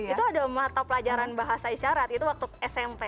itu ada mata pelajaran bahasa isyarat itu waktu smp